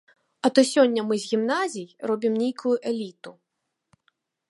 А то сёння мы з гімназій робім нейкую эліту.